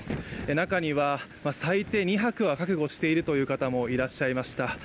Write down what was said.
中には、最低２泊は覚悟しているという方もいらっしゃいました。